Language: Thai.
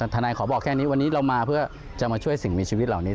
ทนายขอบอกแค่นี้วันนี้เรามาเพื่อจะมาช่วยสิ่งมีชีวิตเหล่านี้